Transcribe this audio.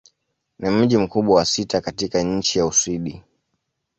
Ni mji mkubwa wa sita katika nchi wa Uswidi.